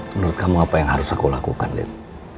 menurut kamu apa yang harus aku lakukan lihat